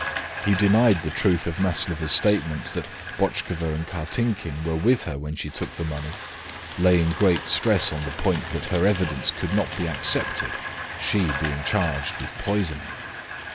He denied the truth of Maslova's statements that Botchkova and Kartinkin were with her when she took the money, laying great stress on the point that her evidence could not be accepted, she being charged with poisoning.